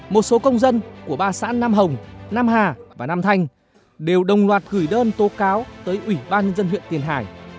một số công dân của ba xã nam hồng nam hà và nam thanh đều đồng loạt gửi đơn tố cáo tới ủy ban nhân dân huyện tiền hải